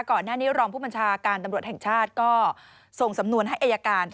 ก่อนหน้านี้รองผู้บัญชาการตำรวจแห่งชาติก็ส่งสำนวนให้อายการ